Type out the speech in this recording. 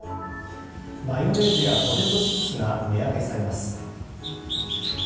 マヨネーズやポテトチップスが値上げされます。